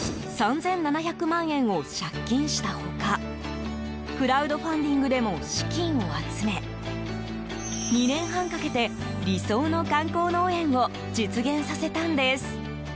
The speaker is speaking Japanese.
３７００万円を借金した他クラウドファンディングでも資金を集め２年半かけて、理想の観光農園を実現させたんです。